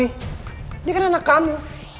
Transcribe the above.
ini kan anak kamu